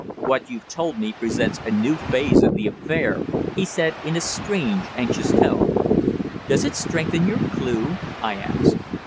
What you've told me presents a new phase of the affair," he said in a strange, anxious tone. "Does it strengthen your clue?" I asked.